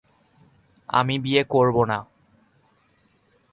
আমি বিয়ে করব না।